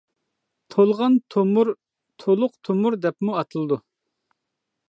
تولغان تومۇر تولۇق تومۇر دەپمۇ ئاتىلىدۇ.